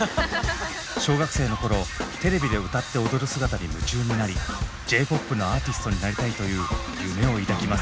小学生の頃テレビで歌って踊る姿に夢中になりＪ−ＰＯＰのアーティストになりたいという夢を抱きます。